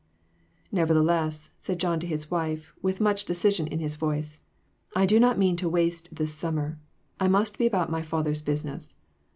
"Nevertheless," said John to his wife, with much decision in his voice, "I do not mean to waste this summer; I must be about my Father's business.